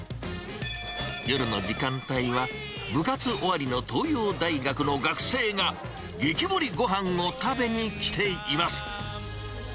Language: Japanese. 夜の時間帯は、部活終わりの東洋大学の学生が、激盛りごはんを食べに来ています。